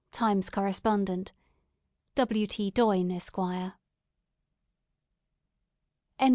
(Times Correspondent). W. T. Doyne, Esq. THE END.